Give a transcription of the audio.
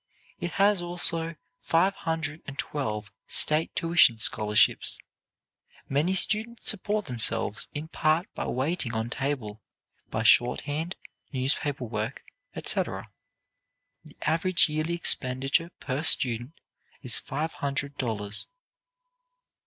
It has also five hundred and twelve state tuition scholarships. Many students support themselves in part by waiting on table, by shorthand, newspaper work, etc. The average yearly expenditure per student is five hundred dollars.